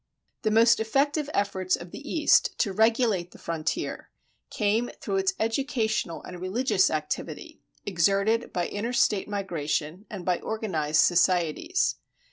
The most effective efforts of the East to regulate the frontier came through its educational and religious activity, exerted by interstate migration and by organized societies.